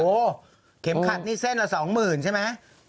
โหเข็มขัดนี่เส้นละ๒หมื่นใช่มั้ย